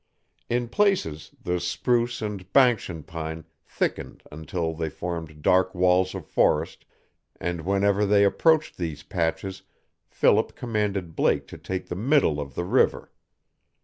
In places the spruce and banskian pine thickened until they formed dark walls of forest and whenever they approached these patches Philip commanded Blake to take the middle of the river.